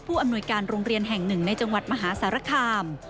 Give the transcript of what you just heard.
อำนวยการโรงเรียนแห่งหนึ่งในจังหวัดมหาสารคาม